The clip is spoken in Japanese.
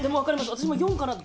私も４かなと。